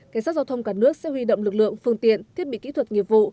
cảnh sát giao thông cả nước sẽ huy động lực lượng phương tiện thiết bị kỹ thuật nghiệp vụ